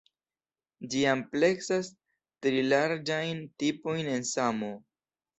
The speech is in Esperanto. Ĝi ampleksas tri larĝajn tipojn en Samoo.